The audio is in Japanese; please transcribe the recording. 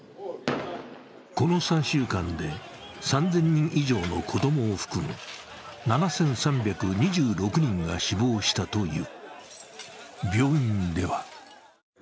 この３週間で３０００人以上の子どもを含む７３２６人が死亡したという。